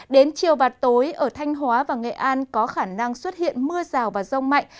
đến chiều và tối ở thanh hóa và nghệ an có khả năng xuất hiện mưa rào và rông mạnh